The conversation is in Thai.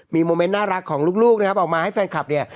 มีโมเมนต์น่ารักของลูกนะครับออกมาให้แฟนคลับเนี่ย